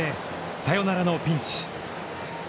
サヨナラのピンチ。